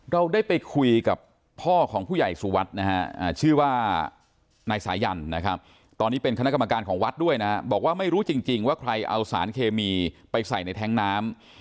เราได้ไปคุยกับพ่อของผู้ใหญ่สุวัสดิ์นะฮะชื่อว่านายสายันนะครับตอนนี้เป็นคณะกรรมการของวัดด้วยนะบอกว่าไม่รู้จริงว่าใครเอาสารเคมีไปใส่ในแท้งน้ำ